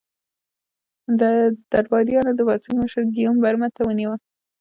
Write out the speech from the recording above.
درباریانو د پاڅون مشر ګیوم برمته ونیو.